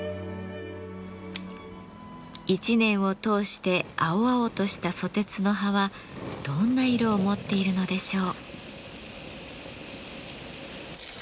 一年を通して青々としたソテツの葉はどんな色を持っているのでしょう。